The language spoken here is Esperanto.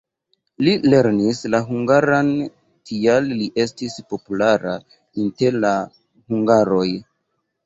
Li lernis la hungaran, tial li estis populara inter la hungaroj.